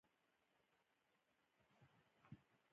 د معدې د مینځلو لپاره باید څه شی وکاروم؟